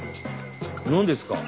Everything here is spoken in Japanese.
何ですか？